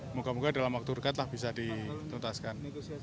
moga moga dalam waktu dekatlah bisa ditutaskan